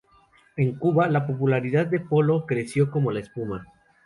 En Cuba, la popularidad de Polo creció como la espuma.